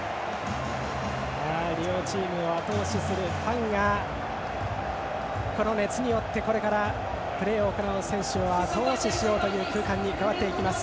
両チームをあと押しするファンのこの熱によってこれからプレーを行う選手をあと押ししようという空間に変わっていきます。